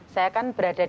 saya kan berada di pantai